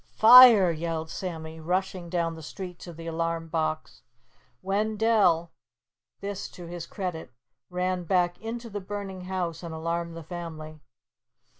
"Fire!!!" yelled Sammy, dashing down the street to the alarm box. Wendell this to his credit ran back into the burning house and alarmed the family.